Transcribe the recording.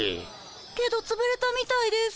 けどつぶれたみたいです。